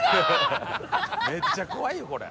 「めっちゃ怖いよこれ」